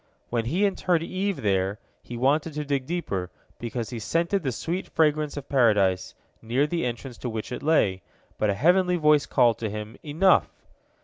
When he interred Eve there, he wanted to dig deeper, because he scented the sweet fragrance of Paradise, near the entrance to which it lay, but a heavenly voice called to him, Enough!